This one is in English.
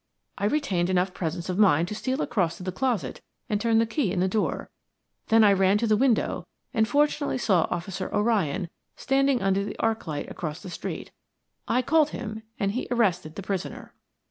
I retained enough presence of mind to steal across to the closet and turn the key in the door; then I ran to the window and fortunately saw Officer O'Ryan standing under the arc light across the street. I called him and he arrested the prisoner."